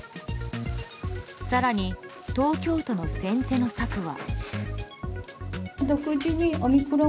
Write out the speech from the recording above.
更に東京の先手の策は。